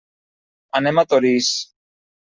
Anem a Torís.